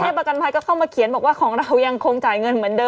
อย่างกายภารกรรมภัยก็เข้ามาเขียนบอกว่าของเรายังคงจ่ายเงินเหมือนเดิม